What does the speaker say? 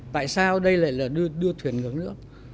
tại sao đây lại là đua thuyền ngược nước